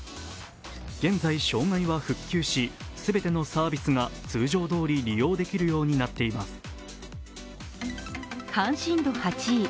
現在障害は復旧し、全てのサービスが通常どおり利用できるようになっています。